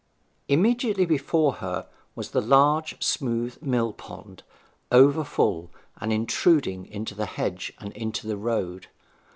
Immediately before her was the large, smooth millpond, over full, and intruding into the hedge and into the road.